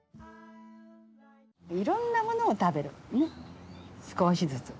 いろんなものを食べるんですね。